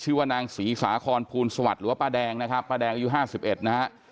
ชื่อว่านางศรีสาคอนภูลสวัสดิ์หรือว่าป้าแดงนะครับป้าแดงอายุห้าสิบเอ็ดนะฮะ